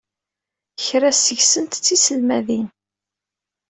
Kra seg-sent d tiselmadin.